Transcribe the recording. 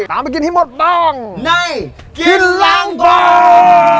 ตามไปกินที่หมดบ้างในกินร้านบัง